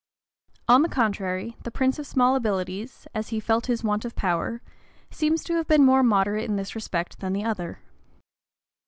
On the contrary, the prince of small abilities, as he felt his want of power, seems to have been more moderate in this respect than the other.